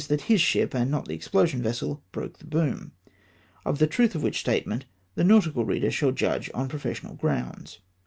that his ship, and not the explo sion vessel, broke the boom : of the truth of which statement the nautical reader shall judge on profes sional grounds.